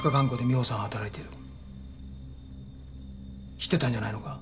知ってたんじゃないのか？